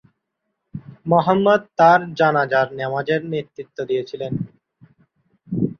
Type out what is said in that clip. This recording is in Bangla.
মুহাম্মদ তার জানাজার নামাজের নেতৃত্ব দিয়েছিলেন।